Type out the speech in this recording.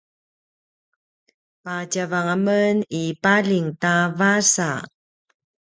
patjavang a men i paljing ta “vasa”